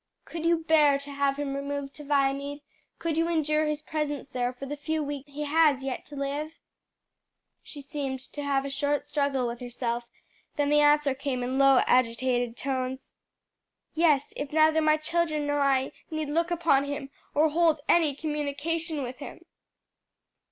"Could you bear to have him removed to Viamede? could you endure his presence there for the few weeks he has yet to live?" She seemed to have a short struggle with herself, then the answer came in low, agitated tones. "Yes, if neither my children nor I need look upon him or hold any communication with him."